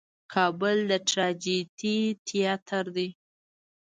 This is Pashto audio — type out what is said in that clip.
کابل د ټراجېډي تیاتر دی.